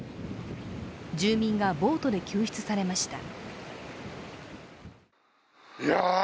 住民がボートで救出されました。